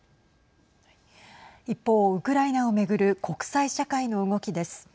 一方、ウクライナを巡る国際社会の動きです。